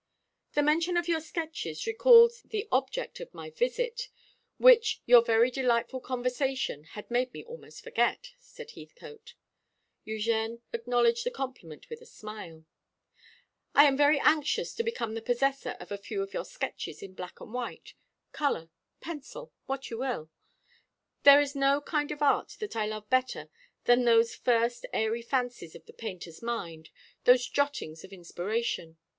"The mention of your sketches recalls the object of my visit, which your very delightful conversation had made me almost forget," said Heathcote. Eugène acknowledged the compliment with a smile. "I am very anxious to become the possessor of a few of your sketches in black and white, colour, pencil, what you will. There is no kind of art that I love better than those first airy fancies of the painter's mind, those jottings of inspiration.